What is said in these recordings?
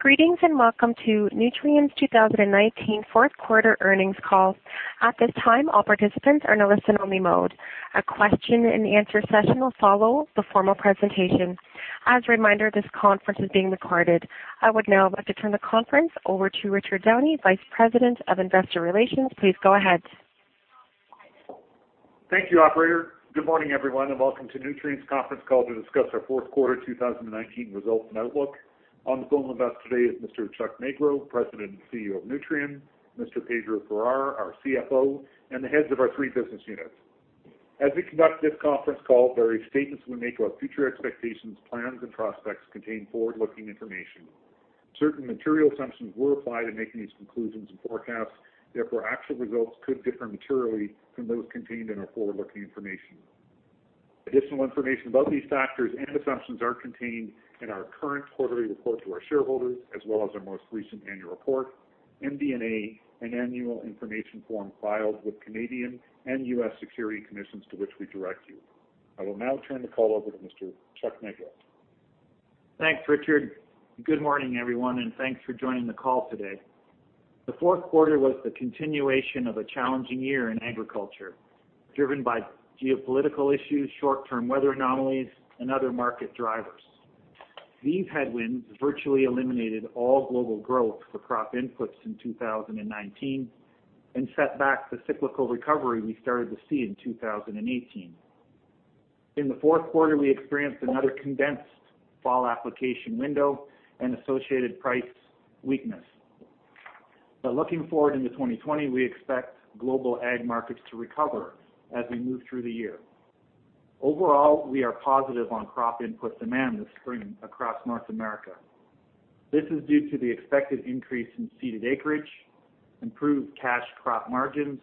Greetings, and welcome to Nutrien's 2019 fourth quarter earnings call. At this time, all participants are in a listen-only mode. A question and answer session will follow the formal presentation. As a reminder, this conference is being recorded. I would now like to turn the conference over to Richard Downey, Vice President of Investor Relations. Please go ahead. Thank you, Operator. Good morning, everyone, and welcome to Nutrien's conference call to discuss our fourth quarter 2019 results and outlook. On the phone with us today is Mr. Chuck Magro, President and CEO of Nutrien, Mr. Pedro Farah, our CFO, and the heads of our three business units. As we conduct this conference call, various statements we make about future expectations, plans, and prospects contain forward-looking information. Certain material assumptions were applied in making these conclusions and forecasts, therefore actual results could differ materially from those contained in our forward-looking information. Additional information about these factors and assumptions are contained in our current quarterly report to our shareholders, as well as our most recent annual report, MD&A, and annual information form filed with Canadian and U.S. security commissions, to which we direct you. I will now turn the call over to Mr. Chuck Magro. Thanks Richard. Good morning, everyone, and thanks for joining the call today. The fourth quarter was the continuation of a challenging year in agriculture, driven by geopolitical issues, short-term weather anomalies, and other market drivers. These headwinds virtually eliminated all global growth for crop inputs in 2019 and set back the cyclical recovery we started to see in 2018. In the fourth quarter, we experienced another condensed fall application window and associated price weakness. Looking forward into 2020, we expect global ag markets to recover as we move through the year. Overall, we are positive on crop input demand this spring across North America. This is due to the expected increase in seeded acreage, improved cash crop margins,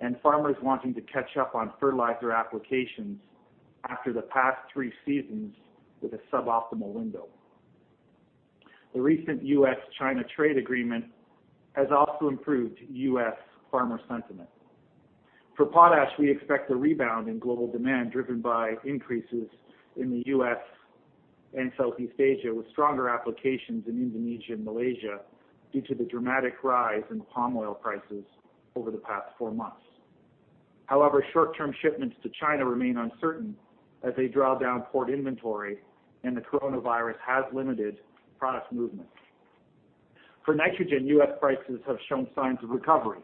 and farmers wanting to catch up on fertilizer applications after the past three seasons with a suboptimal window. The recent US-China trade agreement has also improved U.S. farmer sentiment. For potash, we expect a rebound in global demand driven by increases in the U.S. and Southeast Asia, with stronger applications in Indonesia and Malaysia due to the dramatic rise in palm oil prices over the past four months. Short-term shipments to China remain uncertain as they draw down port inventory, and the coronavirus has limited product movement. For nitrogen, U.S. prices have shown signs of recovery,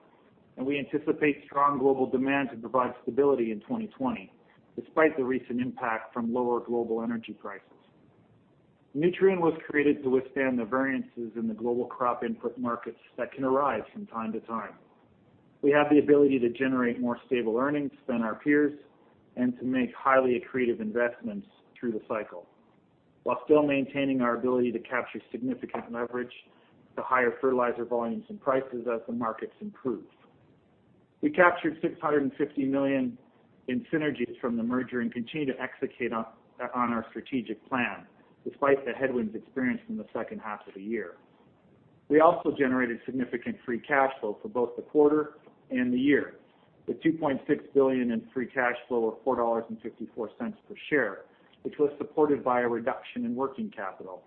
and we anticipate strong global demand to provide stability in 2020, despite the recent impact from lower global energy prices. Nutrien was created to withstand the variances in the global crop input markets that can arise from time to time. We have the ability to generate more stable earnings than our peers and to make highly accretive investments through the cycle while still maintaining our ability to capture significant leverage to higher fertilizer volumes and prices as the markets improve. We captured $650 million in synergies from the merger and continue to execute on our strategic plan, despite the headwinds experienced in the second half of the year. We also generated significant free cash flow for both the quarter and the year, with $2.6 billion in free cash flow of $4.54 per share, which was supported by a reduction in working capital.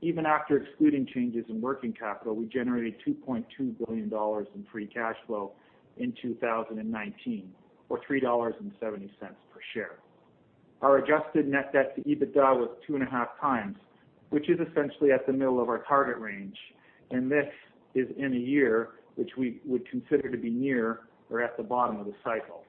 Even after excluding changes in working capital, we generated $2.2 billion in free cash flow in 2019, or $3.70 per share. Our adjusted net debt to EBITDA was 2.5x, which is essentially at the middle of our target range, and this is in a year which we would consider to be near or at the bottom of the cycle.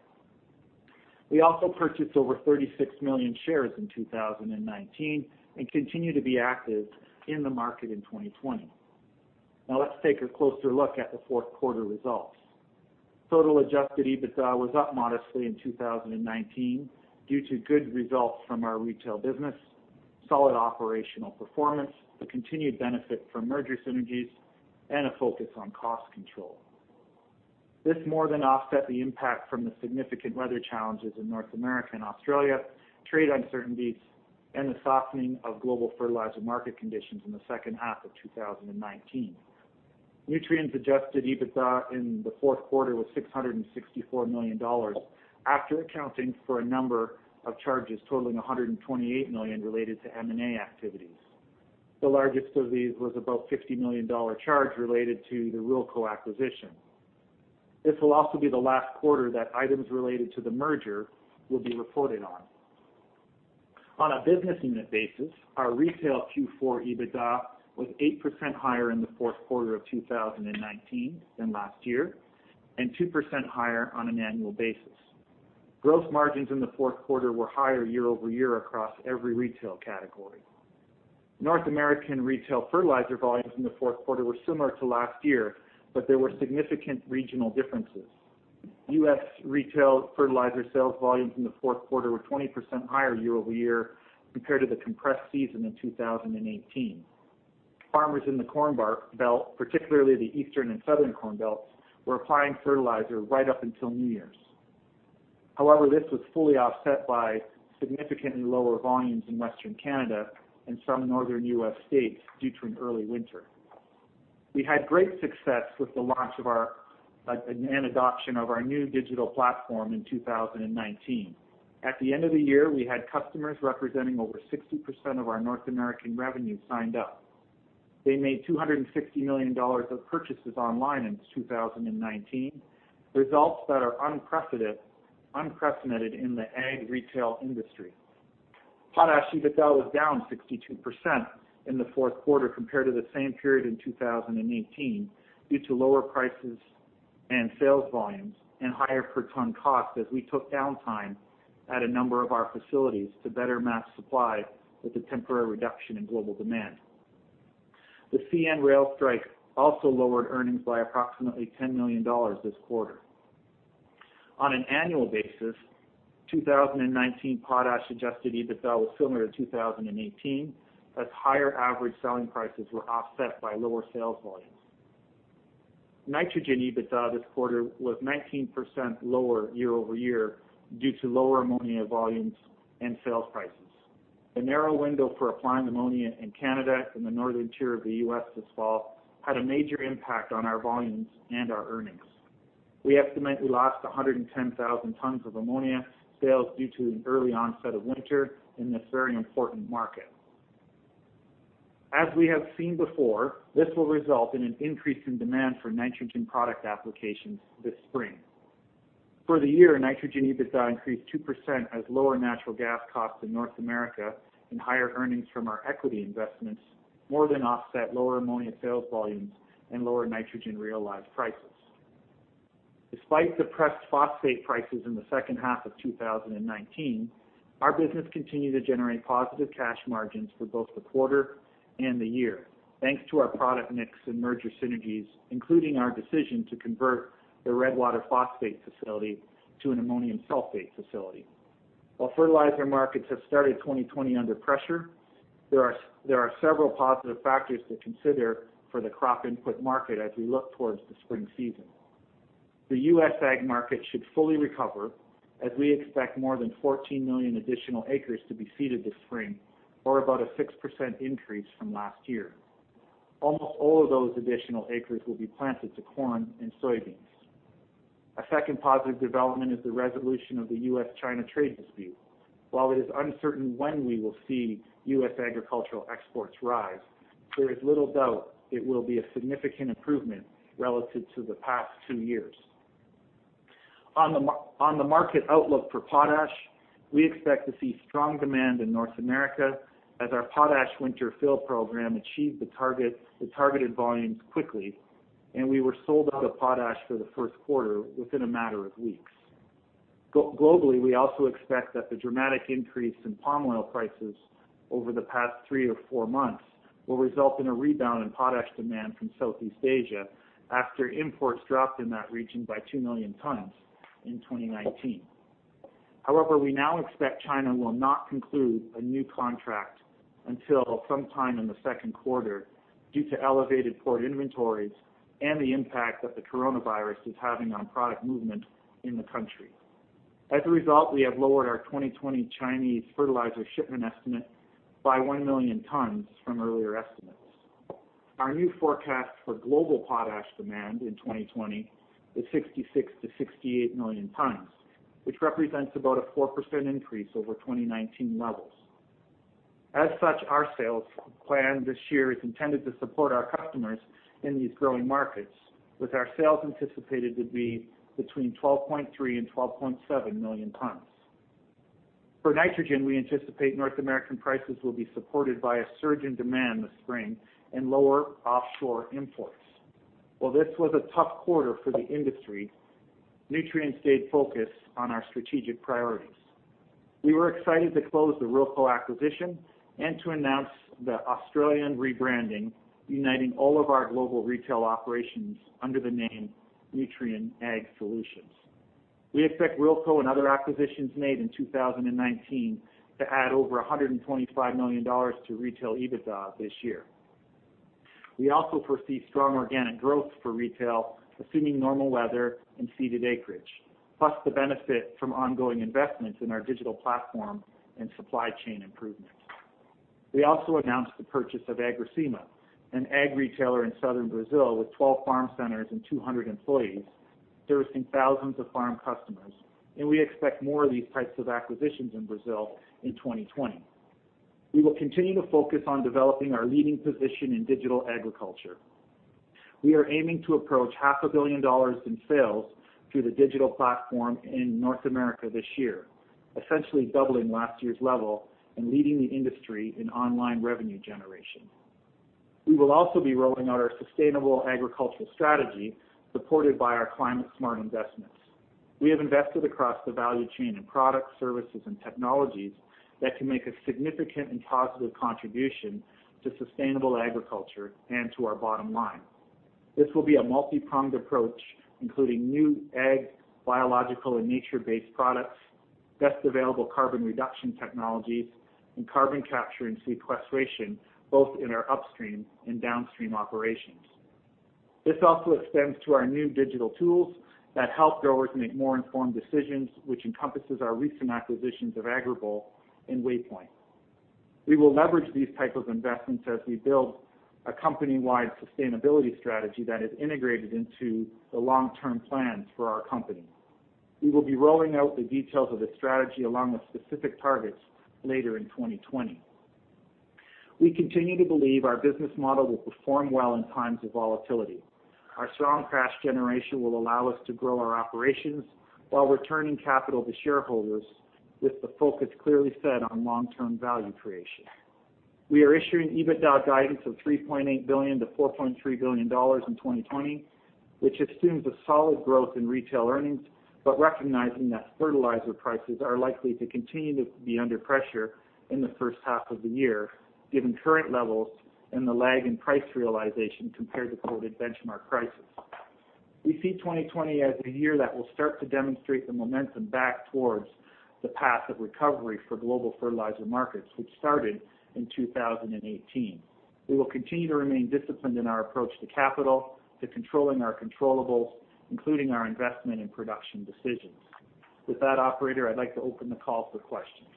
We also purchased over 36 million shares in 2019 and continue to be active in the market in 2020. Now let's take a closer look at the fourth quarter results. Total adjusted EBITDA was up modestly in 2019 due to good results from our retail business, solid operational performance, the continued benefit from merger synergies, and a focus on cost control. This more than offset the impact from the significant weather challenges in North America and Australia, trade uncertainties, and the softening of global fertilizer market conditions in the second half of 2019. Nutrien's adjusted EBITDA in the fourth quarter was $664 million, after accounting for a number of charges totaling $128 million related to M&A activities. The largest of these was about a $50 million charge related to the Ruralco acquisition. This will also be the last quarter that items related to the merger will be reported on. On a business unit basis, our retail Q4 EBITDA was 8% higher in the fourth quarter of 2019 than last year, and 2% higher on an annual basis. Gross margins in the fourth quarter were higher year-over-year across every retail category. North American retail fertilizer volumes in the fourth quarter were similar to last year. There were significant regional differences. U.S. retail fertilizer sales volumes in the fourth quarter were 20% higher year-over-year compared to the compressed season in 2018. Farmers in the Corn Belt, particularly the Eastern and Southern Corn Belts, were applying fertilizer right up until New Year's. However, this was fully offset by significantly lower volumes in Western Canada and some northern U.S. states due to an early winter. We had great success with the launch and adoption of our new digital platform in 2019. At the end of the year, we had customers representing over 60% of our North American revenue signed up. They made $260 million of purchases online in 2019, results that are unprecedented in the ag retail industry. Potash EBITDA was down 62% in the fourth quarter compared to the same period in 2018 due to lower prices and sales volumes and higher per ton cost as we took downtime at a number of our facilities to better match supply with the temporary reduction in global demand. The CN rail strike also lowered earnings by approximately $10 million this quarter. On an annual basis, 2019 potash adjusted EBITDA was similar to 2018, as higher average selling prices were offset by lower sales volumes. Nitrogen EBITDA this quarter was 19% lower year-over-year due to lower ammonia volumes and sales prices. The narrow window for applying ammonia in Canada and the northern tier of the US this fall had a major impact on our volumes and our earnings. We estimate we lost 110,000 tons of ammonia sales due to an early onset of winter in this very important market. As we have seen before, this will result in an increase in demand for nitrogen product applications this spring. For the year, nitrogen EBITDA increased 2% as lower natural gas costs in North America and higher earnings from our equity investments more than offset lower ammonia sales volumes and lower nitrogen realized prices. Despite depressed phosphate prices in the second half of 2019, our business continued to generate positive cash margins for both the quarter and the year, thanks to our product mix and merger synergies, including our decision to convert the Redwater phosphate facility to an ammonium sulfate facility. While fertilizer markets have started 2020 under pressure, there are several positive factors to consider for the crop input market as we look towards the spring season. The U.S. ag market should fully recover as we expect more than 14 million additional acres to be seeded this spring, or about a 6% increase from last year. Almost all of those additional acres will be planted to corn and soybeans. A second positive development is the resolution of the U.S.-China trade dispute. While it is uncertain when we will see U.S. agricultural exports rise, there is little doubt it will be a significant improvement relative to the past two years. On the market outlook for potash, we expect to see strong demand in North America as our potash winter fill program achieved the targeted volumes quickly, and we were sold out of potash for the first quarter within a matter of weeks. Globally, we also expect that the dramatic increase in palm oil prices over the past three or four months will result in a rebound in potash demand from Southeast Asia after imports dropped in that region by 2 million tons in 2019. However, we now expect China will not conclude a new contract until sometime in the second quarter due to elevated port inventories and the impact that the coronavirus is having on product movement in the country. As a result, we have lowered our 2020 Chinese fertilizer shipment estimate by 1 million tons from earlier estimates. Our new forecast for global potash demand in 2020 is 66 million tons-68 million tons, which represents about a 4% increase over 2019 levels. As such, our sales plan this year is intended to support our customers in these growing markets, with our sales anticipated to be between 12.3 million tons-12.7 million tons. For nitrogen, we anticipate North American prices will be supported by a surge in demand this spring and lower offshore imports. While this was a tough quarter for the industry, Nutrien stayed focused on our strategic priorities. We were excited to close the Ruralco acquisition and to announce the Australian rebranding, uniting all of our global retail operations under the name Nutrien Ag Solutions. We expect Ruralco and other acquisitions made in 2019 to add over $125 million to retail EBITDA this year. We also foresee strong organic growth for retail, assuming normal weather and seeded acreage, plus the benefit from ongoing investments in our digital platform and supply chain improvements. We also announced the purchase of Agrosema, an ag retailer in southern Brazil with 12 farm centers and 200 employees servicing thousands of farm customers, and we expect more of these types of acquisitions in Brazil in 2020. We will continue to focus on developing our leading position in digital agriculture. We are aiming to approach $1.5 million dollars in sales through the digital platform in North America this year, essentially doubling last year's level and leading the industry in online revenue generation. We will also be rolling out our sustainable agricultural strategy supported by our climate-smart investments. We have invested across the value chain in products, services, and technologies that can make a significant and positive contribution to sustainable agriculture and to our bottom line. This will be a multi-pronged approach, including new ag Biological and Nature-Based products, best available carbon reduction technologies, and carbon capture and sequestration, both in our upstream and downstream operations. This also extends to our new digital tools that help growers make more informed decisions, which encompasses our recent acquisitions of Agrible and Waypoint. We will leverage these type of investments as we build a company-wide sustainability strategy that is integrated into the long-term plans for our company. We will be rolling out the details of the strategy along with specific targets later in 2020. We continue to believe our business model will perform well in times of volatility. Our strong cash generation will allow us to grow our operations while returning capital to shareholders, with the focus clearly set on long-term value creation. We are issuing EBITDA guidance of $3.8 billion-$4.3 billion in 2020, which assumes a solid growth in retail earnings, but recognizing that fertilizer prices are likely to continue to be under pressure in the first half of the year, given current levels and the lag in price realization compared to quoted benchmark prices. We see 2020 as a year that will start to demonstrate the momentum back towards the path of recovery for global fertilizer markets, which started in 2018. We will continue to remain disciplined in our approach to capital, to controlling our controllables, including our investment and production decisions. With that, operator, I'd like to open the call for questions.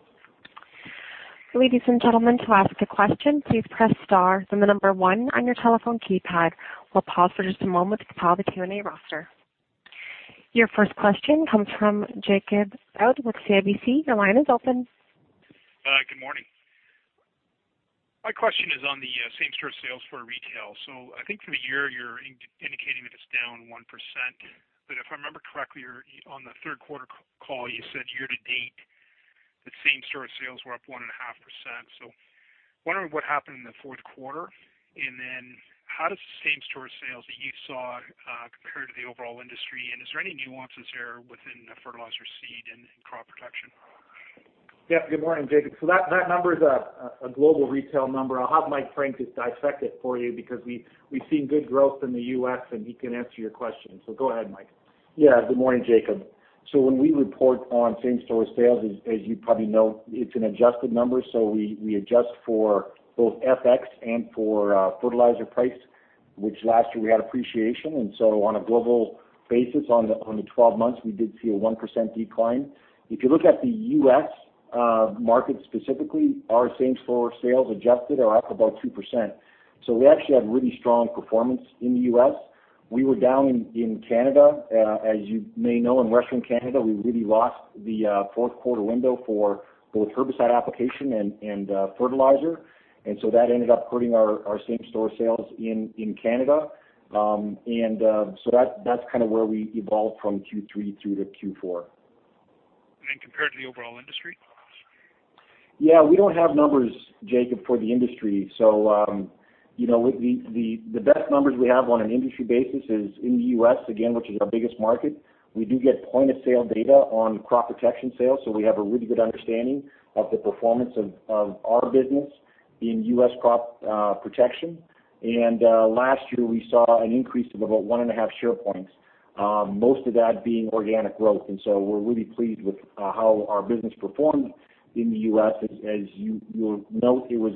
Ladies and gentlemen, to ask a question, please press star, then the number one on your telephone keypad. We'll pause for just a moment to compile the Q&A roster. Your first question comes from Jacob Bout with CIBC. Your line is open. Good morning. My question is on the same-store sales for retail. I think for the year you're indicating that it's down 1%, but if I remember correctly, on the third quarter call you said year-to-date that same-store sales were up 1.5%. Wondering what happened in the fourth quarter, how does same-store sales that you saw compare to the overall industry, and is there any nuances there within the fertilizer seed and crop protection? Yeah, good morning, Jacob. That number is a global retail number. I'll have Mike Frank just dissect it for you because we've seen good growth in the U.S., and he can answer your question. Go ahead, Mike. Yeah. Good morning, Jacob. When we report on same-store sales, as you probably know, it's an adjusted number, so we adjust for both FX and for fertilizer price, which last year we had appreciation, on a global basis on the 12 months we did see a 1% decline. If you look at the U.S. market specifically, our same-store sales adjusted are up about 2%. We actually had really strong performance in the U.S. We were down in Canada. As you may know, in Western Canada, we really lost the fourth quarter window for both herbicide application and fertilizer. That ended up hurting our same-store sales in Canada. That's where we evolved from Q3 through to Q4. Then compared to the overall industry? Yeah. We don't have numbers, Jacob, for the industry. The best numbers we have on an industry basis is in the U.S., again, which is our biggest market. We do get point-of-sale data on crop protection sales, we have a really good understanding of the performance of our business in U.S. crop protection. Last year we saw an increase of about one and a half share points, most of that being organic growth. We're really pleased with how our business performed in the U.S. As you'll note, it was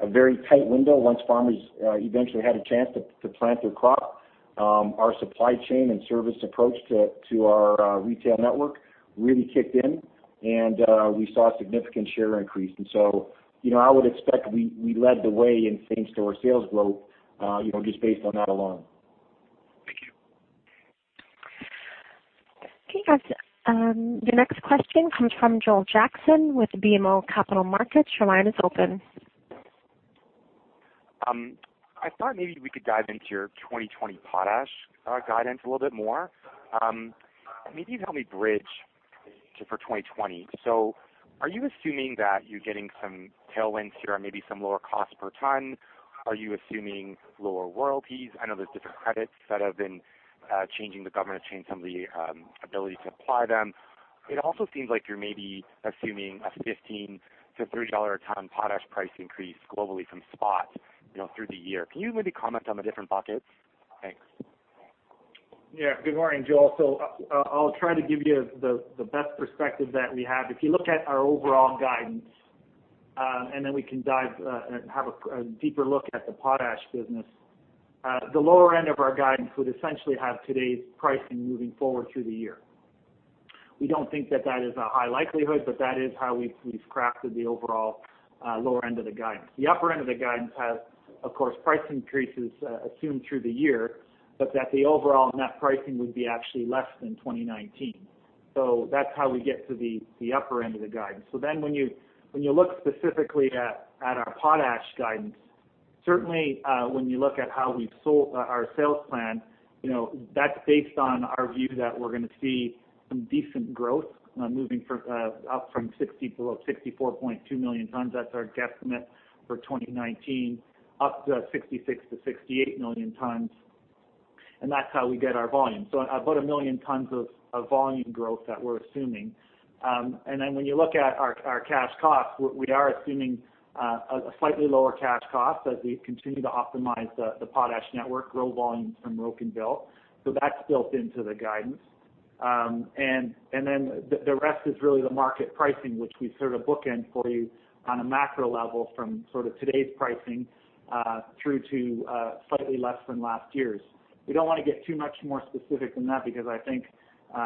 a very tight window. Once farmers eventually had a chance to plant their crop our supply chain and service approach to our retail network really kicked in we saw a significant share increase. I would expect we led the way in same-store sales growth just based on that alone. Thank you. Okay, guys. The next question comes from Joel Jackson with BMO Capital Markets. Your line is open. I thought maybe we could dive into your 2020 potash guidance a little bit more. Maybe you can help me bridge for 2020. Are you assuming that you're getting some tailwinds here and maybe some lower cost per ton? Are you assuming lower royalties? I know there's different credits that have been changing. The government has changed some of the ability to apply them. It also seems like you're maybe assuming a $15-$30 a ton potash price increase globally from spot through the year. Can you maybe comment on the different buckets? Thanks. Yeah. Good morning, Joel. I'll try to give you the best perspective that we have. If you look at our overall guidance, and then we can dive and have a deeper look at the potash business. The lower end of our guidance would essentially have today's pricing moving forward through the year. We don't think that that is a high likelihood, but that is how we've crafted the overall lower end of the guidance. The upper end of the guidance has, of course, price increases assumed through the year, but that the overall net pricing would be actually less than 2019. That's how we get to the upper end of the guidance. When you look specifically at our potash guidance, certainly when you look at how we've sold our sales plan, that's based on our view that we're going to see some decent growth moving up from 60 below 64.2 million tons, that's our guesstimate for 2019, up to 66-68 million tons, and that's how we get our volume. About 1 million tons of volume growth that we're assuming. When you look at our cash cost, we are assuming a slightly lower cash cost as we continue to optimize the potash network, grow volumes from Rocanville. That's built into the guidance. The rest is really the market pricing, which we sort of bookend for you on a macro level from sort of today's pricing through to slightly less than last year's. We don't want to get too much more specific than that because I think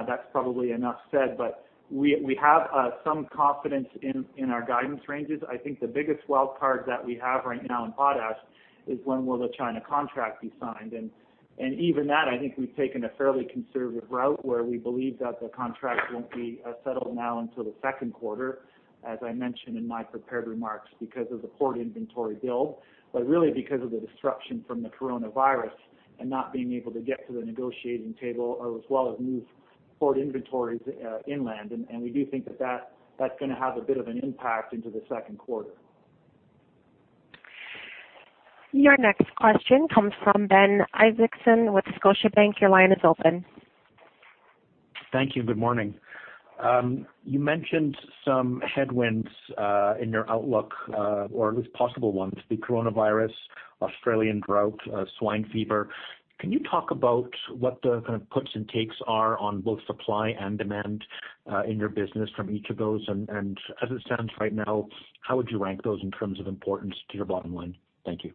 that's probably enough said, but we have some confidence in our guidance ranges. I think the biggest wild card that we have right now in potash is when will the China contract be signed? Even that, I think we've taken a fairly conservative route where we believe that the contract won't be settled now until the second quarter, as I mentioned in my prepared remarks because of the port inventory build, but really because of the disruption from the coronavirus and not being able to get to the negotiating table or as well as move port inventories inland. We do think that's going to have a bit of an impact into the second quarter. Your next question comes from Ben Isaacson with Scotiabank. Your line is open. Thank you. Good morning. You mentioned some headwinds in your outlook, or at least possible ones, the coronavirus, Australian drought, Swine Fever. Can you talk about what the kind of puts and takes are on both supply and demand in your business from each of those? As it stands right now, how would you rank those in terms of importance to your bottom line? Thank you.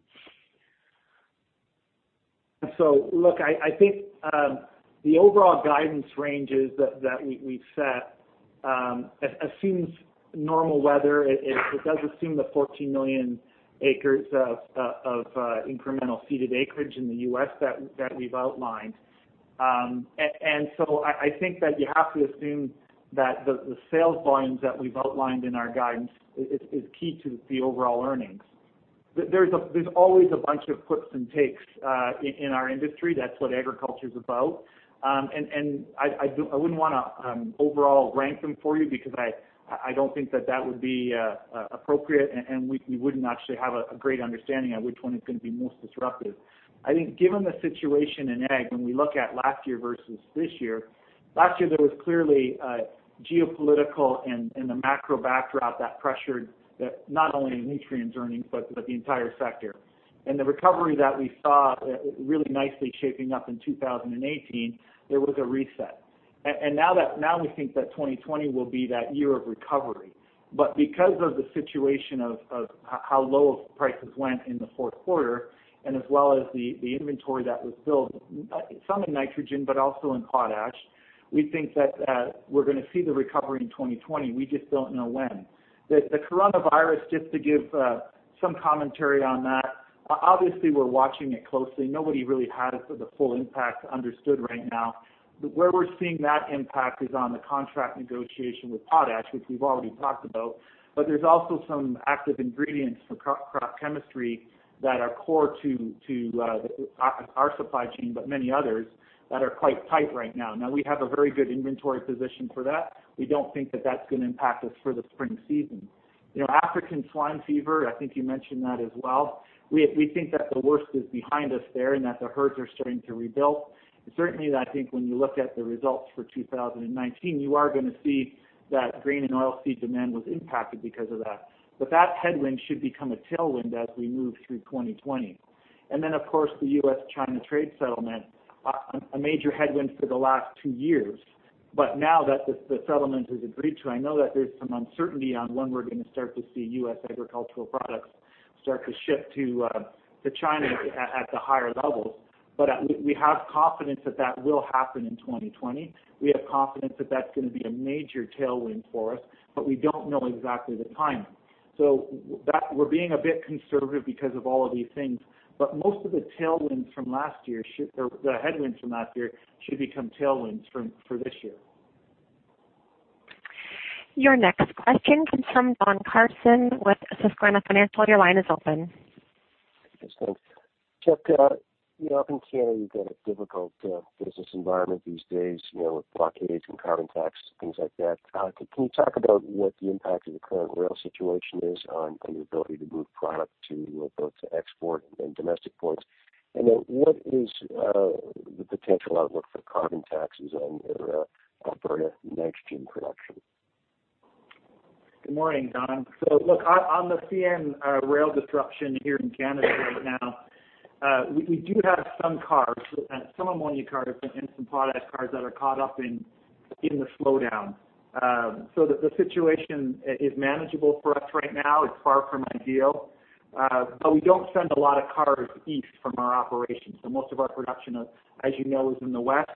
Look, I think the overall guidance ranges that we've set assumes normal weather. It does assume the 14 million acres of incremental seeded acreage in the U.S. that we've outlined. I think that you have to assume that the sales volumes that we've outlined in our guidance is key to the overall earnings. There's always a bunch of puts and takes in our industry. That's what agriculture is about. I wouldn't want to overall rank them for you because I don't think that that would be appropriate and we wouldn't actually have a great understanding of which one is going to be most disruptive. I think given the situation in ag, when we look at last year versus this year, last year there was clearly geopolitical and the macro backdrop that pressured not only Nutrien's earnings but the entire sector. The recovery that we saw really nicely shaping up in 2018, there was a reset. Now we think that 2020 will be that year of recovery. Because of the situation of how low prices went in the fourth quarter and as well as the inventory that was built, some in nitrogen, but also in potash, we think that we're going to see the recovery in 2020. We just don't know when. The coronavirus, just to give some commentary on that, obviously we're watching it closely. Nobody really has the full impact understood right now. Where we're seeing that impact is on the contract negotiation with potash, which we've already talked about. There's also some active ingredients for crop chemistry that are core to our supply chain, but many others that are quite tight right now. Now we have a very good inventory position for that. We don't think that that's going to impact us for the spring season. African Swine Fever, I think you mentioned that as well. We think that the worst is behind us there and that the herds are starting to rebuild. Certainly, I think when you look at the results for 2019, you are going to see that grain and oil seed demand was impacted because of that. That headwind should become a tailwind as we move through 2020. Then of course the U.S.-China trade settlement, a major headwind for the last two years. Now that the settlement is agreed to, I know that there's some uncertainty on when we're going to start to see U.S. agricultural products start to ship to China at the higher levels. We have confidence that that will happen in 2020. We have confidence that that's going to be a major tailwind for us, but we don't know exactly the timing. We're being a bit conservative because of all of these things, but most of the headwinds from last year should become tailwinds for this year. Your next question comes from Don Carson with Susquehanna Financial. Your line is open. Yes, thanks. Chuck, up in Canada, you've got a difficult business environment these days, with blockades and carbon taxes, things like that. Can you talk about what the impact of the current rail situation is on your ability to move product to both export and domestic ports? What is the potential outlook for carbon taxes on Alberta nitrogen production? Good morning, Don. On the CN rail disruption here in Canada right now, we do have some cars, some ammonia cars and some potash cars that are caught up in the slowdown. The situation is manageable for us right now. It's far from ideal. We don't send a lot of cars east from our operations. Most of our production, as you know, is in the west.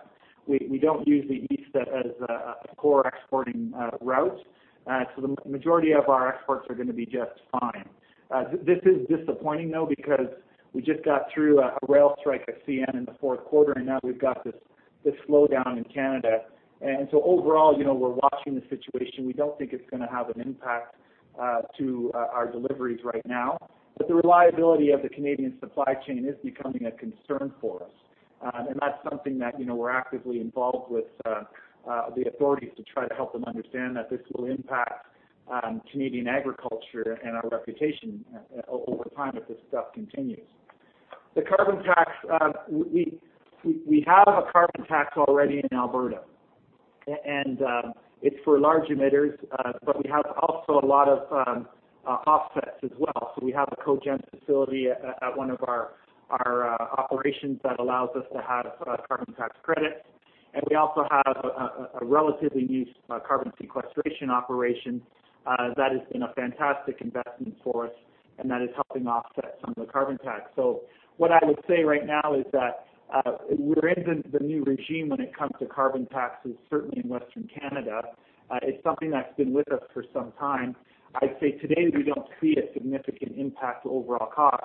We don't use the east as a core exporting route. The majority of our exports are going to be just fine. This is disappointing though because we just got through a rail strike at CN in the fourth quarter and now we've got this slowdown in Canada. Overall, we're watching the situation. We don't think it's going to have an impact to our deliveries right now. The reliability of the Canadian supply chain is becoming a concern for us. That's something that we're actively involved with the authorities to try to help them understand that this will impact Canadian agriculture and our reputation over time if this stuff continues. The carbon tax, we have a carbon tax already in Alberta and it's for large emitters, but we have also a lot of offsets as well. We have a cogen facility at one of our operations that allows us to have carbon tax credits. We also have a relatively new carbon sequestration operation that has been a fantastic investment for us, and that is helping offset some of the carbon tax. What I would say right now is that we're into the new regime when it comes to carbon taxes, certainly in Western Canada. It's something that's been with us for some time. I'd say today we don't see a significant impact to overall cost.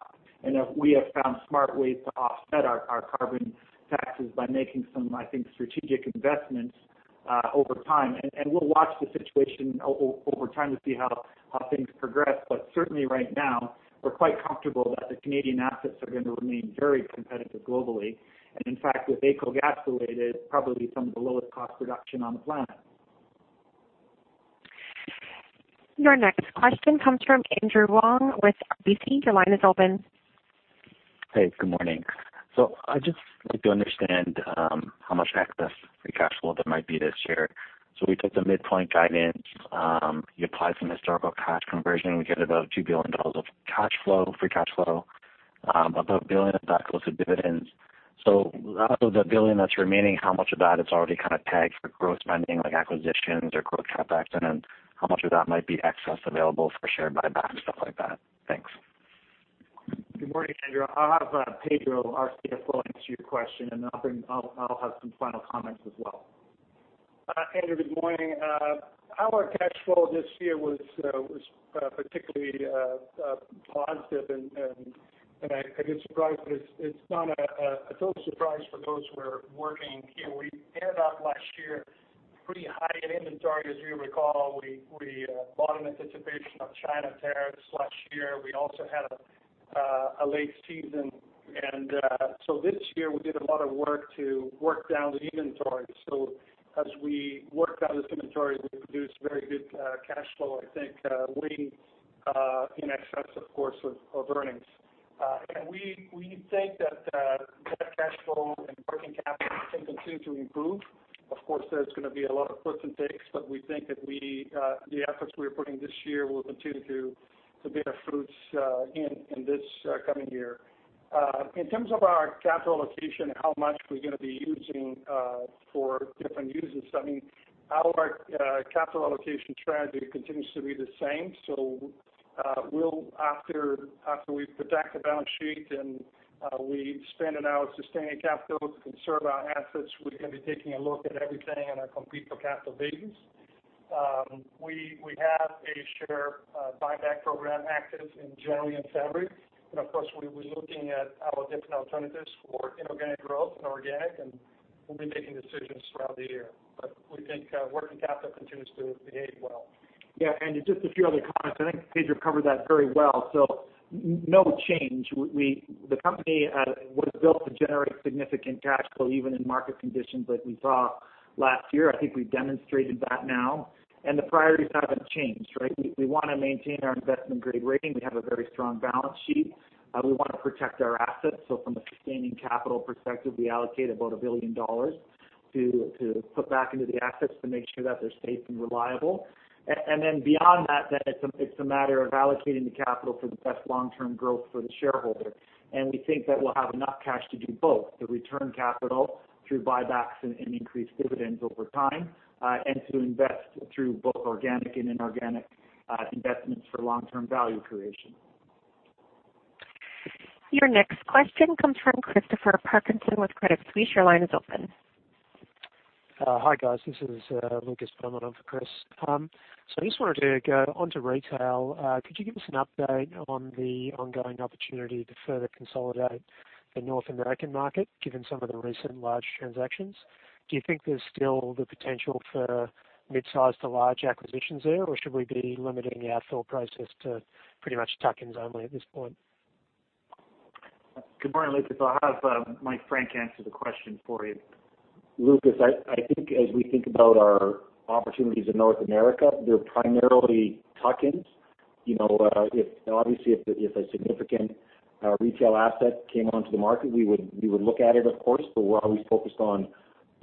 We have found smart ways to offset our carbon taxes by making some, I think, strategic investments over time. We'll watch the situation over time to see how things progress. Certainly right now, we're quite comfortable that the Canadian assets are going to remain very competitive globally. In fact, with Ecogas related, probably some of the lowest cost production on the planet. Your next question comes from Andrew Wong with RBC. Your line is open. Hey, good morning. I'd just like to understand how much excess free cash flow there might be this year. We took the midpoint guidance. You apply some historical cash conversion, we get about $2 billion of cash flow, free cash flow. About $1 billion of that goes to dividends. Out of the $1 billion that's remaining, how much of that is already kind of tagged for growth spending like acquisitions or growth CapEx? How much of that might be excess available for share buyback and stuff like that? Thanks. Good morning, Andrew. I'll have Pedro, our CFO, answer your question, and I'll have some final comments as well. Andrew, good morning. Our cash flow this year was particularly positive and I guess surprising, but it's not a total surprise for those who are working here. We ended up last year pretty high in inventory. As you recall, we bought in anticipation of China tariffs last year. We also had a late season. This year we did a lot of work to work down the inventory. As we worked down this inventory, we produced very good cash flow, I think, leading in excess of course, of earnings. We think that cash flow and working capital can continue to improve. Of course, there's going to be a lot of puts and takes, but we think that the efforts we're putting this year will continue to bear fruits in this coming year. In terms of our capital allocation and how much we're going to be using for different uses, our capital allocation strategy continues to be the same. After we protect the balance sheet and we spend in our sustaining capital to conserve our assets, we're going to be taking a look at everything in our complete pro capital business. We have a share buyback program active in January and February, and of course, we're looking at our different alternatives for inorganic growth and organic, and we'll be making decisions throughout the year. We think working capital continues to behave well. Yeah. Just a few other comments. I think Pedro covered that very well. No change. The company was built to generate significant cash flow even in market conditions like we saw last year. I think we've demonstrated that now, the priorities haven't changed, right? We want to maintain our investment-grade rating. We have a very strong balance sheet. We want to protect our assets. From a sustaining capital perspective, we allocate about $1 billion to put back into the assets to make sure that they're safe and reliable. Beyond that, then it's a matter of allocating the capital for the best long-term growth for the shareholder. We think that we'll have enough cash to do both the return capital through buybacks and increased dividends over time, and to invest through both organic and inorganic investments for long-term value creation. Your next question comes from Chris Parkinson with Credit Suisse. Your line is open. Hi, guys. This is Lucas filling in for Chris. I just wanted to go onto retail. Could you give us an update on the ongoing opportunity to further consolidate the North American market, given some of the recent large transactions? Do you think there's still the potential for mid-size to large acquisitions there, or should we be limiting the outflow process to pretty much tuck-ins only at this point? Good morning, Lucas. I'll have Mike Frank answer the question for you. Lucas, I think as we think about our opportunities in North America, they're primarily tuck-ins. Obviously, if a significant retail asset came onto the market, we would look at it, of course, but we're always focused on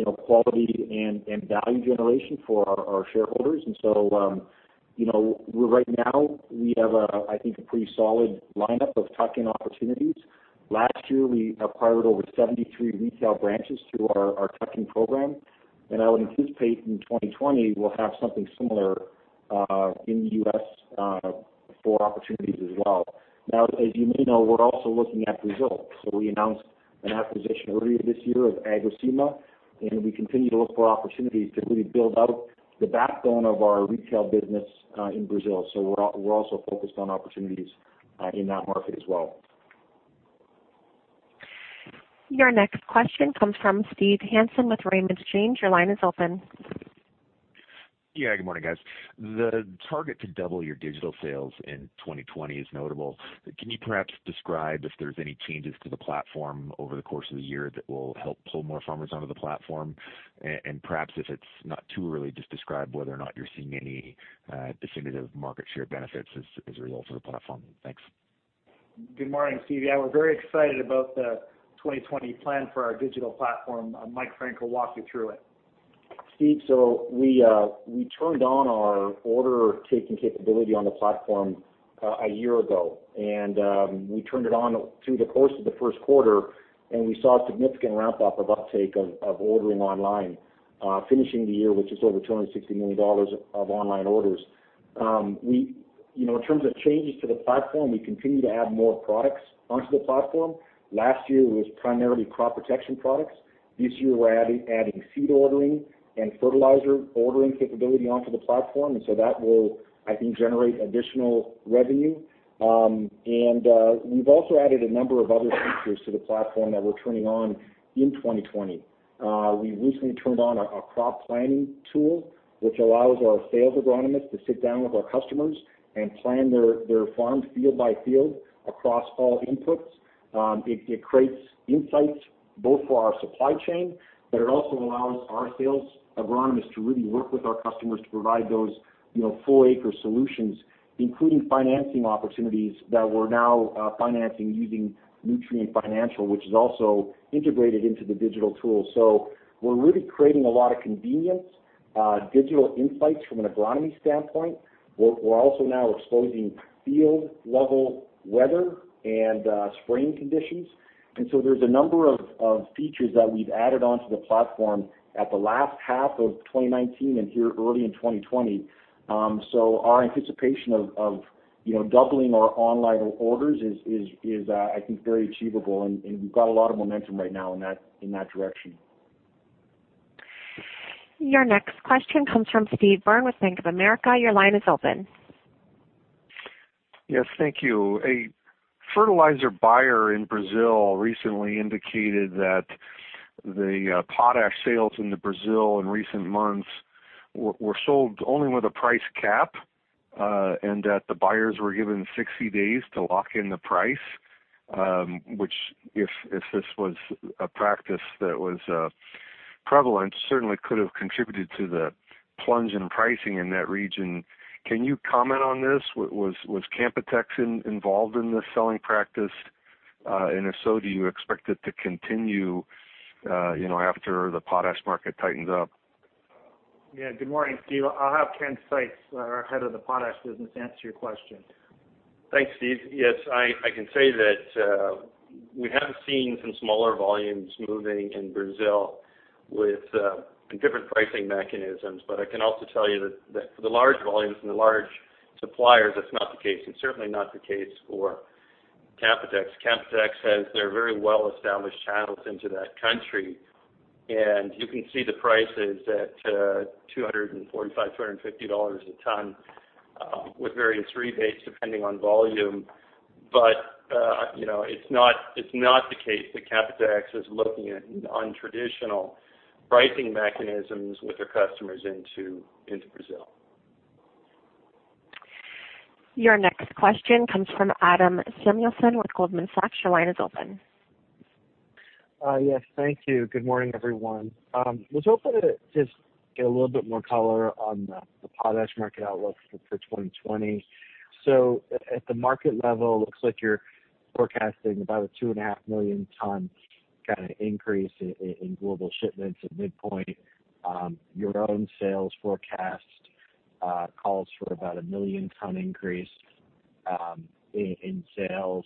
quality and value generation for our shareholders. Right now we have, I think, a pretty solid lineup of tuck-in opportunities. Last year, we acquired over 73 retail branches through our tuck-in program, and I would anticipate in 2020 we'll have something similar in the U.S. for opportunities as well. Now, as you may know, we're also looking at Brazil. We announced an acquisition earlier this year of Agrosema, and we continue to look for opportunities to really build out the backbone of our retail business in Brazil. We're also focused on opportunities in that market as well. Your next question comes from Steve Hansen with Raymond James. Your line is open. Yeah. Good morning, guys. The target to double your digital sales in 2020 is notable. Can you perhaps describe if there's any changes to the platform over the course of the year that will help pull more farmers onto the platform? Perhaps if it's not too early, just describe whether or not you're seeing any definitive market share benefits as a result of the platform. Thanks. Good morning, Steve. Yeah, we're very excited about the 2020 plan for our digital platform. Mike Frank will walk you through it. Steve, we turned on our order-taking capability on the platform a year ago. We turned it on through the course of the first quarter, and we saw a significant ramp-up of uptake of ordering online, finishing the year with just over $260 million of online orders. In terms of changes to the platform, we continue to add more products onto the platform. Last year, it was primarily crop protection products. This year, we're adding seed ordering and fertilizer ordering capability onto the platform, and so that will, I think, generate additional revenue. We've also added a number of other features to the platform that we're turning on in 2020. We recently turned on a crop planning tool, which allows our sales agronomists to sit down with our customers and plan their farm field by field across all inputs. It creates insights both for our supply chain, but it also allows our sales agronomists to really work with our customers to provide those full-acre solutions, including financing opportunities that we're now financing using Nutrien Financial, which is also integrated into the digital tool. We're really creating a lot of convenience, digital insights from an agronomy standpoint. We're also now exposing field-level weather and spring conditions. There's a number of features that we've added onto the platform at the last half of 2019 and here early in 2020. Our anticipation of doubling our online orders is, I think, very achievable, and we've got a lot of momentum right now in that direction. Your next question comes from Steve Byrne with Bank of America. Your line is open. Yes, thank you. A fertilizer buyer in Brazil recently indicated that the potash sales into Brazil in recent months were sold only with a price cap, that the buyers were given 60 days to lock in the price, which if this was a practice that was prevalent, certainly could have contributed to the plunge in pricing in that region. Can you comment on this? Was Canpotex involved in this selling practice? If so, do you expect it to continue after the potash market tightens up? Yeah. Good morning, Steve. I'll have Ken Seitz, our head of the potash business, answer your question. Thanks, Steve. Yes, I can say that we have seen some smaller volumes moving in Brazil with different pricing mechanisms. I can also tell you that for the large volumes and the large suppliers, that's not the case. It's certainly not the case for Canpotex. Canpotex has their very well-established channels into that country, and you can see the prices at $245, $250 a ton with various rebates depending on volume. It's not the case that Canpotex is looking at untraditional pricing mechanisms with their customers into Brazil. Your next question comes from Adam Samuelson with Goldman Sachs. Your line is open. Yes. Thank you. Good morning, everyone. I was hoping to just get a little bit more color on the potash market outlook for 2020. At the market level, looks like you're forecasting about a 2.5 million ton kind of increase in global shipments at midpoint. Your own sales forecast calls for about a 1 million ton increase in sales.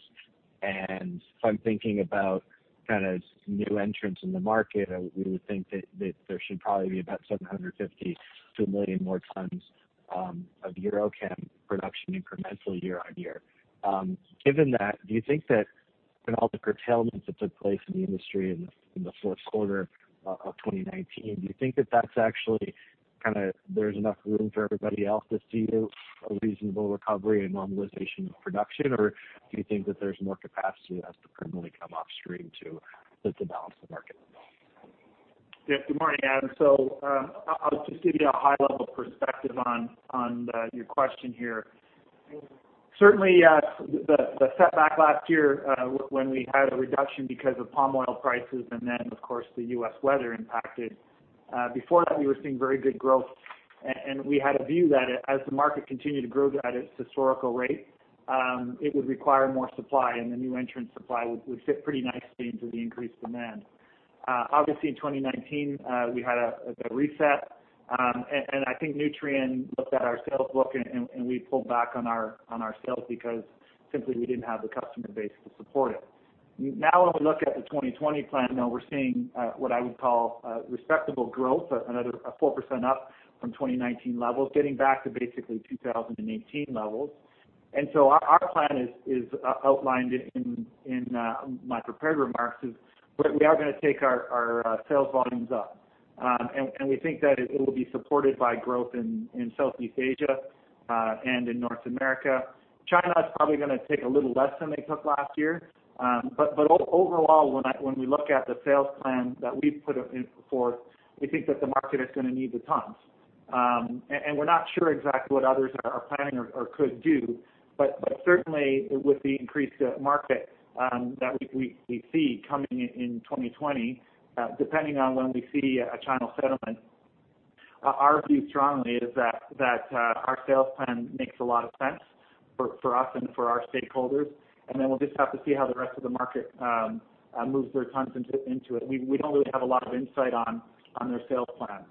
If I'm thinking about kind of new entrants in the market, we would think that there should probably be about 750,000 to 1 million more tons of EuroChem production incrementally year on year. Given all the curtailments that took place in the industry in the fourth quarter of 2019, do you think that there's enough room for everybody else to see a reasonable recovery and normalization of production? Or do you think that there's more capacity that could really come off stream to help to balance the market? Yeah. Good morning, Adam. I'll just give you a high-level perspective on your question here. Certainly, the setback last year when we had a reduction because of palm oil prices and then, of course, the U.S. weather impacted. Before that, we were seeing very good growth, and we had a view that as the market continued to grow at its historical rate, it would require more supply, and the new entrant supply would fit pretty nicely into the increased demand. Obviously, in 2019, we had a reset, and I think Nutrien looked at our sales book and we pulled back on our sales because simply we didn't have the customer base to support it. Now when we look at the 2020 plan, now we're seeing what I would call respectable growth, another 4% up from 2019 levels, getting back to basically 2018 levels. Our plan is outlined in my prepared remarks, is we are going to take our sales volumes up. We think that it'll be supported by growth in Southeast Asia and in North America. China is probably going to take a little less than they took last year. Overall, when we look at the sales plan that we put forth, we think that the market is going to need the tons. We're not sure exactly what others are planning or could do, but certainly with the increased market that we see coming in 2020, depending on when we see a China settlement, our view strongly is that our sales plan makes a lot of sense For us and for our stakeholders. We'll just have to see how the rest of the market moves their tons into it. We don't really have a lot of insight on their sales plan.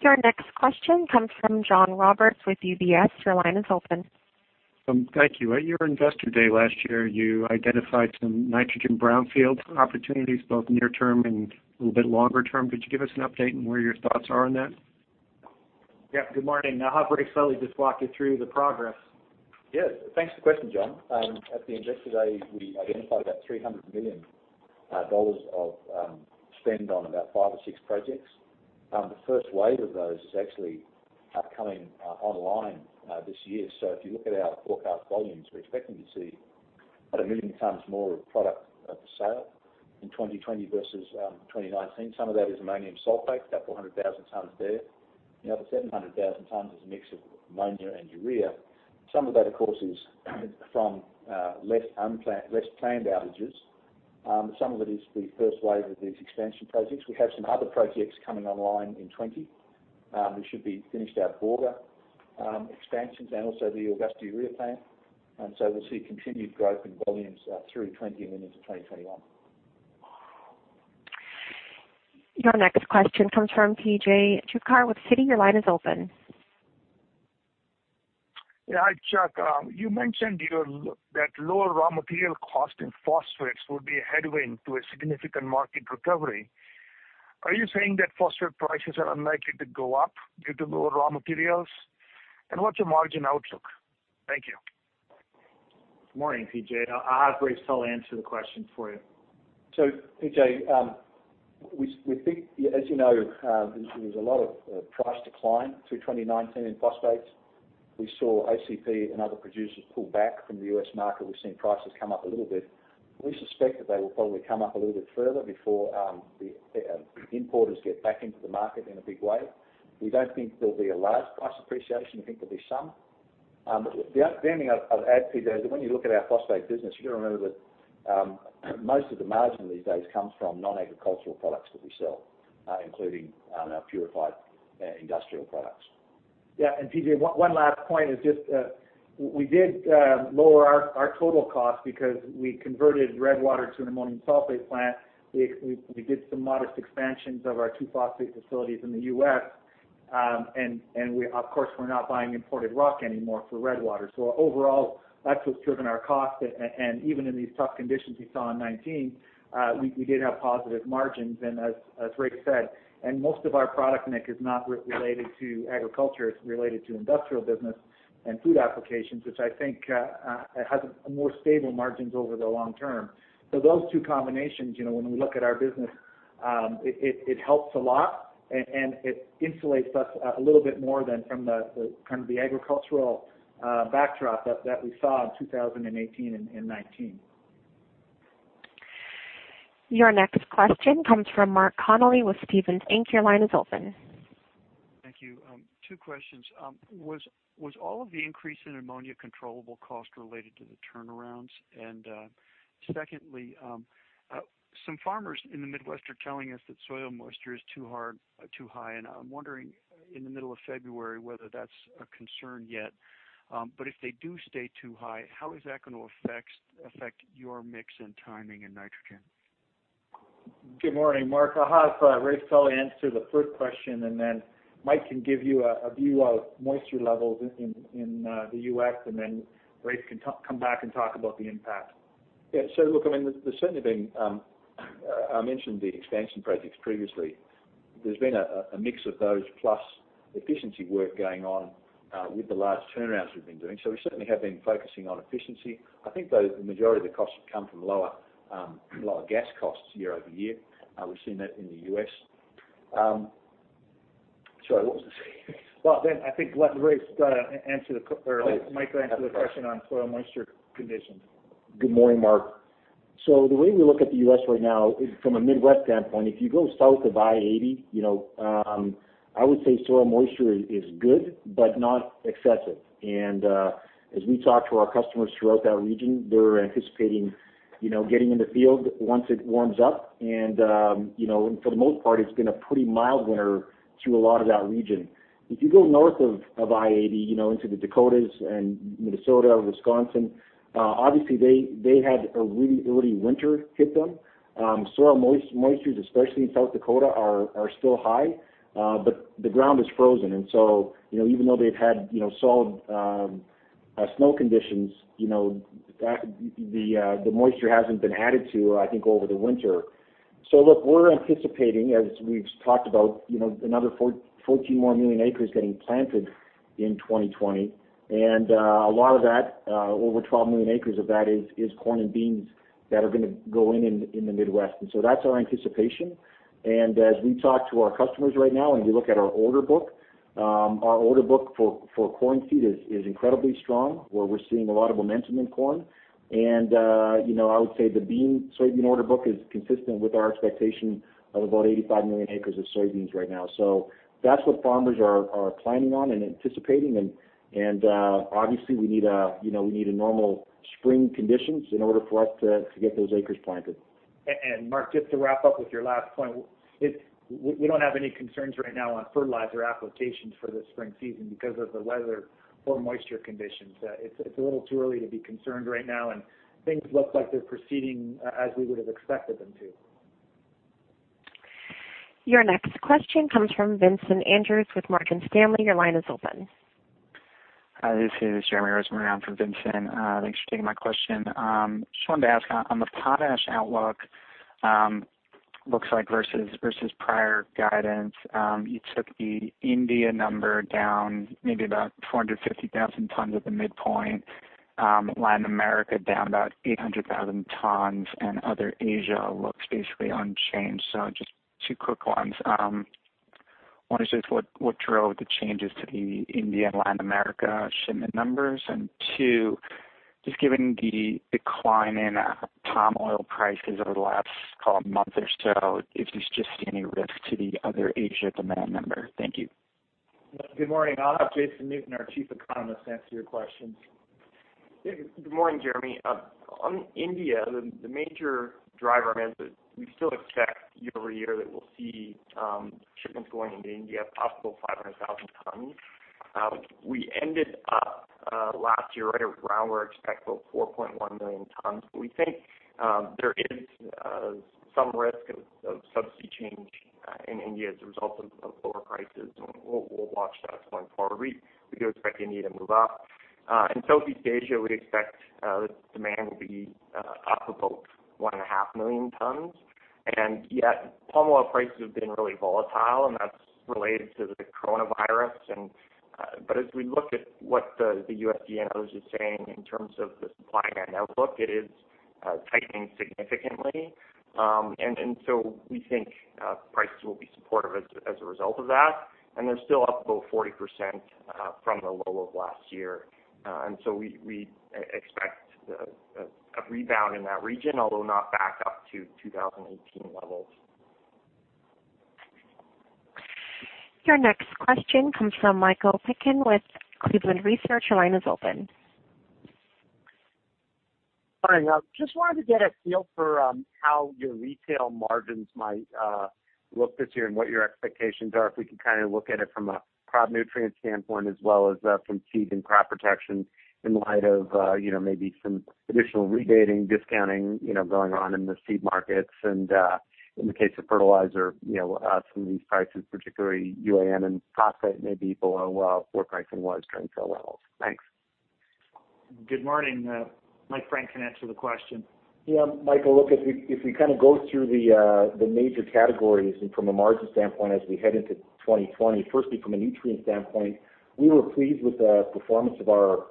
Your next question comes from John Roberts with UBS. Your line is open. Thank you. At your investor day last year, you identified some nitrogen brownfield opportunities, both near-term and a little bit longer term. Could you give us an update on where your thoughts are on that? Yeah. Good morning. I'll have Raef Sully just walk you through the progress. Yes. Thanks for the question, John. At the investor day, we identified about $300 million of spend on about five or six projects. The first wave of those is actually coming online this year. If you look at our forecast volumes, we're expecting to see about a million tons more of product of sale in 2020 versus 2019. Some of that is ammonium sulfate, about 400,000 tons there. The other 700,000 tons is a mix of ammonia and urea. Some of that, of course, is from less planned outages. Some of it is the first wave of these expansion projects. We have some other projects coming online in 2020. We should be finished our Borger expansions and also the Augusta urea plant. We'll see continued growth in volumes through 2020 and into 2021. Your next question comes from P.J. Juvekar with Citi. Your line is open. Yeah. Chuck, you mentioned that lower raw material cost in phosphates will be a headwind to a significant market recovery. Are you saying that phosphate prices are unlikely to go up due to lower raw materials? What's your margin outlook? Thank you. Good morning, P.J. I'll have Raef Sully answer the question for you. P.J., we think, as you know, there's a lot of price decline through 2019 in phosphates. We saw OCP and other producers pull back from the U.S. market. We've seen prices come up a little bit. We suspect that they will probably come up a little bit further before the importers get back into the market in a big way. We don't think there'll be a large price appreciation. We think there'll be some. The only thing I'd add, P.J., is that when you look at our phosphate business, you got to remember that most of the margin these days comes from non-agricultural products that we sell including our purified industrial products. Yeah. P.J., one last point is just we did lower our total cost because we converted Redwater to an ammonium sulfate plant. We did some modest expansions of our two phosphate facilities in the U.S., of course, we're not buying imported rock anymore for Redwater. Overall, that's what's driven our cost. Even in these tough conditions you saw in 2019, we did have positive margins. As Raef said, and most of our product mix is not related to agriculture, it's related to industrial business and food applications, which I think has more stable margins over the long term. Those two combinations, when we look at our business it helps a lot and it insulates us a little bit more than from the agricultural backdrop that we saw in 2018 and 2019. Your next question comes from Mark Connelly with Stephens Inc. Your line is open. Thank you. Two questions. Was all of the increase in ammonia controllable cost related to the turnarounds? Secondly, some farmers in the Midwest are telling us that soil moisture is too high, and I'm wondering, in the middle of February, whether that's a concern yet. If they do stay too high, how is that going to affect your mix and timing in nitrogen? Good morning, Mark. I'll have Raef Sully answer the first question. Mike can give you a view of moisture levels in the U.S. Raef can come back and talk about the impact. Yeah. Look, there's certainly been, I mentioned the expansion projects previously. There's been a mix of those plus efficiency work going on with the large turnarounds we've been doing. We certainly have been focusing on efficiency. I think the majority of the costs have come from lower gas costs year over year. We've seen that in the U.S. Sorry, what was the second? Well, I think let Mike answer the question on soil moisture conditions. Good morning, Mark. The way we look at the U.S. right now is from a Midwest standpoint. If you go south of I-80, I would say soil moisture is good but not excessive. As we talk to our customers throughout that region, they're anticipating getting in the field once it warms up. For the most part, it's been a pretty mild winter through a lot of that region. If you go north of I-80 into the Dakotas and Minnesota, Wisconsin obviously they had a really early winter hit them. Soil moistures, especially in South Dakota, are still high. The ground is frozen, and so even though they've had solid snow conditions, the moisture hasn't been added to, I think, over the winter. Look, we're anticipating, as we've talked about, another 14 more million acres getting planted in 2020. A lot of that, over 12 million acres of that is corn and beans that are gonna go in the Midwest. That's our anticipation. As we talk to our customers right now and we look at our order book, our order book for corn seed is incredibly strong, where we're seeing a lot of momentum in corn. I would say the bean, soybean order book is consistent with our expectation of about 85 million acres of soybeans right now. That's what farmers are planning on and anticipating. Obviously, we need normal spring conditions in order for us to get those acres planted. Mark, just to wrap up with your last point, we don't have any concerns right now on fertilizer applications for the spring season because of the weather or moisture conditions. It's a little too early to be concerned right now, and things look like they're proceeding as we would have expected them to. Your next question comes from Vincent Andrews with Morgan Stanley. Your line is open. Hi, this is Jeremy Rosenberg around for Vincent. Thanks for taking my question. Wanted to ask on the potash outlook, looks like versus prior guidance, you took the India number down maybe about 450,000 tons at the midpoint, Latin America down about 800,000 tons, Other Asia looks basically unchanged. Two quick ones. One is just what drove the changes to the India and Latin America shipment numbers? Two, given the decline in palm oil prices over the last month or so, if there's any risk to the other Asia demand number. Thank you. Good morning. I'll have Jason Newton, our Chief Economist, answer your questions. Good morning, Jeremy. On India, the major driver, we still expect year-over-year that we'll see shipments going into India up possible 500,000 tons. We ended up last year right around where expected, 4.1 million tons. We think there is some risk of subsidy change in India as a result of lower prices, and we'll watch that going forward. We do expect India to move up. In Southeast Asia, we expect demand will be up about 1.5 million tons. Yeah, palm oil prices have been really volatile, and that's related to the coronavirus. As we look at what the USDA and others are saying in terms of the supply and demand outlook, it is tightening significantly. We think prices will be supportive as a result of that. They're still up about 40% from the low of last year, and so we expect a rebound in that region, although not back up to 2018 levels. Your next question comes from Michael Piken with Cleveland Research. Your line is open. Hi. Just wanted to get a feel for how your retail margins might look this year and what your expectations are. If we can kind of look at it from a crop nutrient standpoint as well as from seed and crop protection in light of maybe some additional redating, discounting going on in the seed markets and in the case of fertilizer some of these prices, particularly UAN and phosphate may be below where pricing was during COVID levels. Thanks. Good morning. Mike Frank can answer the question. Yeah, Michael, look, if we kind of go through the major categories and from a margin standpoint as we head into 2020, firstly, from a nutrient standpoint, we were pleased with the performance of our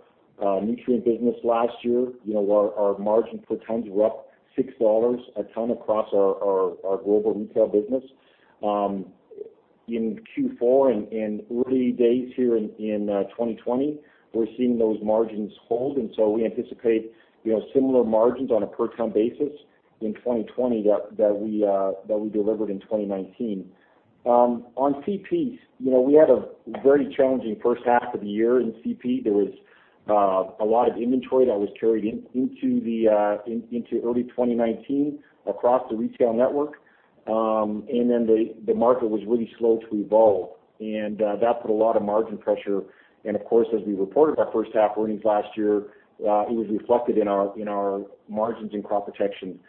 nutrient business last year. Our margin per tons were up $6 a ton across our global retail business. In Q4 and early days here in 2020, we're seeing those margins hold. We anticipate similar margins on a per ton basis in 2020 that we delivered in 2019. On CP, we had a very challenging first half of the year in CP. There was a lot of inventory that was carried into early 2019 across the retail network. The market was really slow to evolve and that put a lot of margin pressure. Of course, as we reported our first half earnings last year, it was reflected in our margins in crop protection.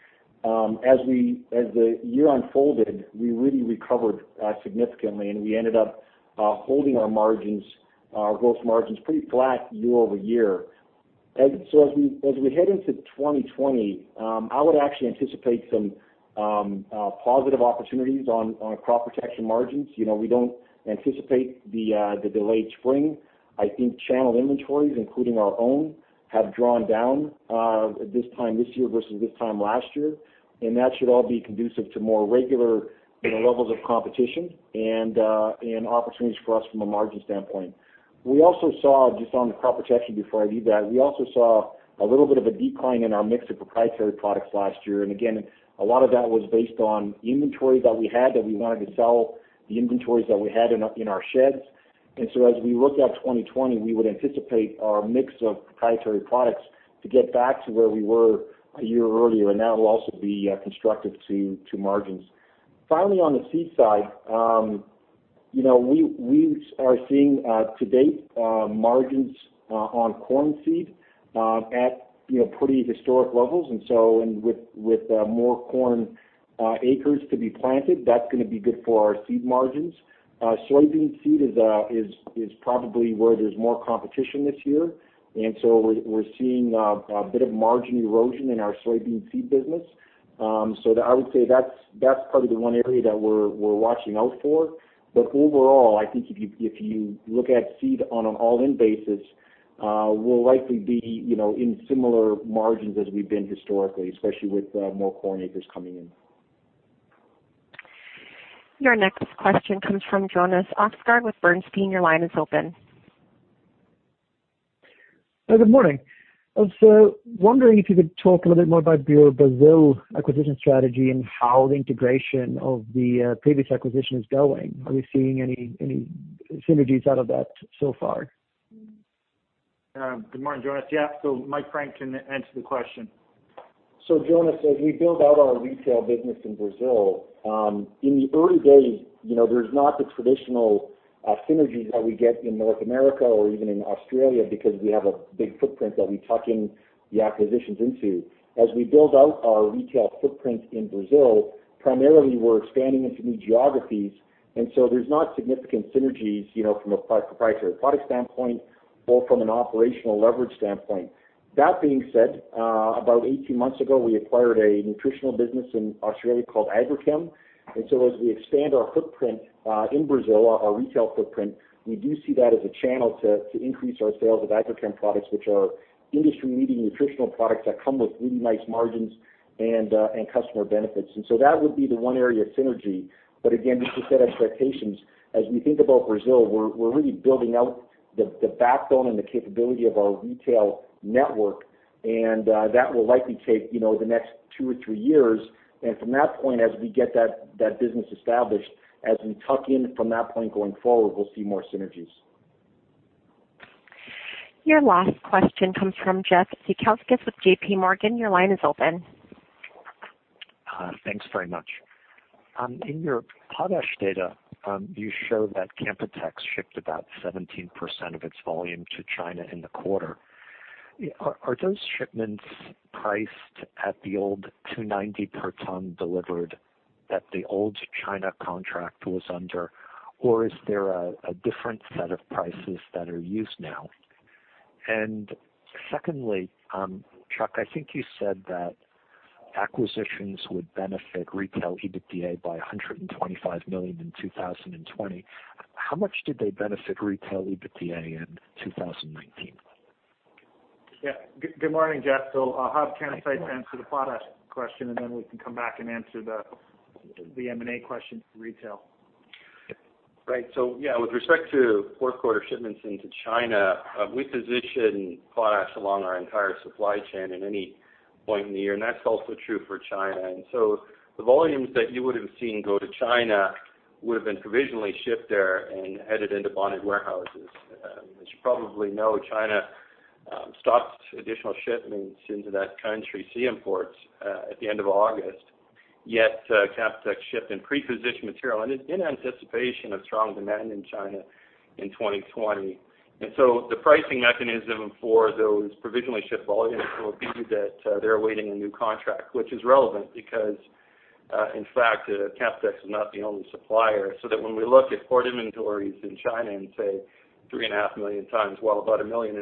As the year unfolded, we really recovered significantly, and we ended up holding our margins, our gross margins, pretty flat year-over-year. As we head into 2020, I would actually anticipate some positive opportunities on our crop protection margins. We don't anticipate the delayed spring. I think channel inventories, including our own, have drawn down at this time this year versus this time last year, and that should all be conducive to more regular levels of competition and opportunities for us from a margin standpoint. Just on the crop protection before I leave that, we also saw a little bit of a decline in our mix of proprietary products last year. A lot of that was based on inventory that we had that we wanted to sell, the inventories that we had in our sheds. As we look at 2020, we would anticipate our mix of proprietary products to get back to where we were a year earlier, and that will also be constructive to margins. Finally, on the seed side, we are seeing to date margins on corn seed at pretty historic levels, with more corn acres to be planted, that's going to be good for our seed margins. Soybean seed is probably where there's more competition this year, we're seeing a bit of margin erosion in our soybean seed business. I would say that's probably the one area that we're watching out for. Overall, I think if you look at seed on an all-in basis, we'll likely be in similar margins as we've been historically, especially with more corn acres coming in. Your next question comes from Jonas Oxgaard with Bernstein. Your line is open. Good morning. I was wondering if you could talk a little bit more about your Brazil acquisition strategy and how the integration of the previous acquisition is going. Are we seeing any synergies out of that so far? Good morning, Jonas. Yeah. Mike Frank can answer the question. Jonas, as we build out our retail business in Brazil, in the early days, there's not the traditional synergies that we get in North America or even in Australia because we have a big footprint that we tuck in the acquisitions into. As we build out our retail footprint in Brazil, primarily we're expanding into new geographies, and so there's not significant synergies, from a proprietary product standpoint or from an operational leverage standpoint. That being said, about 18 months ago, we acquired a nutritional business in Australia called Agrichem. As we expand our footprint in Brazil, our retail footprint, we do see that as a channel to increase our sales of Agrichem products, which are industry-leading nutritional products that come with really nice margins and customer benefits. That would be the one area of synergy. Again, just to set expectations, as we think about Brazil, we're really building out the backbone and the capability of our retail network, and that will likely take the next two or three years. From that point, as we get that business established, as we tuck in from that point going forward, we'll see more synergies. Your last question comes from Jeffrey Zekauskas with JPMorgan. Your line is open. Thanks very much. In your potash data, you show that Canpotex shipped about 17% of its volume to China in the quarter. Are those shipments priced at the old $290 per ton delivered that the old China contract was under, or is there a different set of prices that are used now? Secondly, Chuck, I think you said that acquisitions would benefit retail EBITDA by $125 million in 2020. How much did they benefit retail EBITDA in 2019? Yeah. Good morning, Jeff. I'll have Ken Seitz answer the potash question, and then we can come back and answer the M&A question for retail. Right. Yeah, with respect to fourth quarter shipments into China, we position potash along our entire supply chain in any point in the year, and that's also true for China. The volumes that you would have seen go to China would have been provisionally shipped there and headed into bonded warehouses. As you probably know, China stopped additional shipments into that country, sea imports, at the end of August, yet Canpotex shipped in pre-positioned material in anticipation of strong demand in China in 2020. The pricing mechanism for those provisionally shipped volumes will be that they're awaiting a new contract, which is relevant because, in fact, Canpotex is not the only supplier. When we look at port inventories in China and say 3.5 million tons, well, about 1 million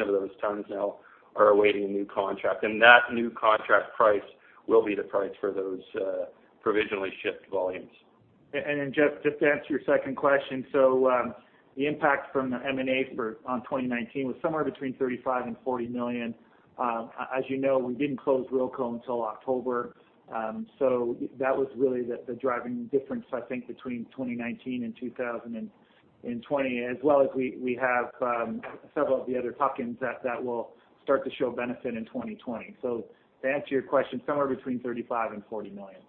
of those tons now are awaiting a new contract. That new contract price will be the price for those provisionally shipped volumes. Jeff, just to answer your second question. The impact from the M&A on 2019 was somewhere between $35 million and $40 million. As you know, we didn't close Ruralco until October, that was really the driving difference, I think, between 2019 and 2020, as well as we have several of the other tuck-ins that will start to show benefit in 2020. To answer your question, somewhere between $35 million and $40 million.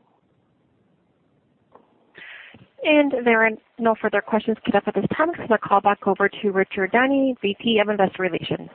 There are no further questions queued up at this time. I'll turn the call back over to Richard Downey, VP of Investor Relations.